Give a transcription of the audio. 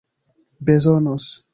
bezonos